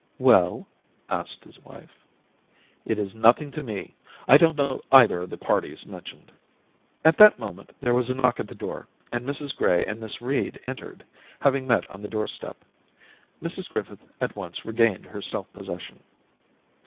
' Well ?' asked his wife. * It is nothing to me. I don't know either of the parties mentioned.' * At that moment there was a knock at the door, and Mrs Gray and Miss Reed entered, having met on the doorstep. Mrs Griffith at once regained her self possession.